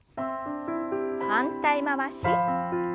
反対回し。